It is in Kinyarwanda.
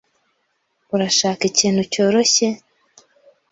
Urashaka ikintu cyoroshye?